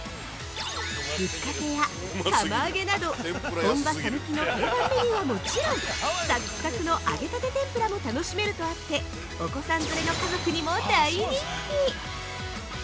ぶっかけや釜揚げなど本場・讃岐の定番メニューはもちろんサックサクの揚げたて天ぷらも楽しめるとあってお子さん連れの家族にも大人気！